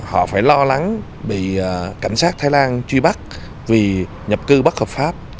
họ phải lo lắng bị cảnh sát thái lan truy bắt vì nhập cư bất hợp pháp